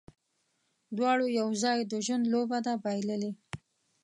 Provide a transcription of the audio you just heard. دواړو یو ځای، د ژوند لوبه ده بایللې